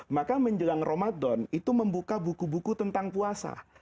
maka menjelang ramadan itu membuka buku buku tentang puasa